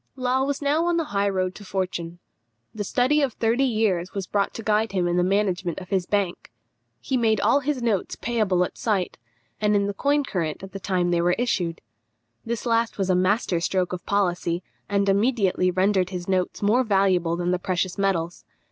Law was now on the high road to fortune. The study of thirty years was brought to guide him in the management of his bank. He made all his notes payable at sight, and in the coin current at the time they were issued. This last was a master stroke of policy, and immediately rendered his notes more valuable than the precious metals.